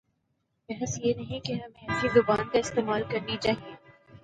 بحث یہ نہیں کہ ہمیں ایسی زبان استعمال کرنی چاہیے۔